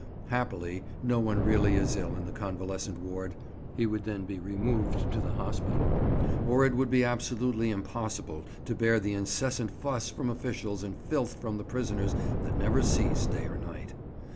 Happily no one really is ill in the convalescent ward (he would then be removed to the hospital), or it would be absolutely impossible to bear the incessant fuss from officials and filth from the prisoners that never cease day or night.